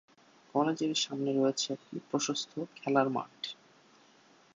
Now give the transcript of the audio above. কলেজের সামনে রয়েছে একটি প্রশস্ত খেলার মাঠ।